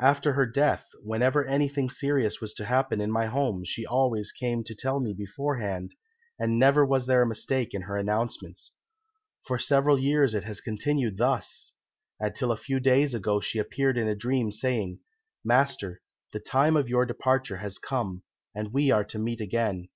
After her death, whenever anything serious was to happen in my home, she always came to tell me beforehand, and never was there a mistake in her announcements. For several years it has continued thus, till a few days ago she appeared in a dream saying, 'Master, the time of your departure has come, and we are to meet again.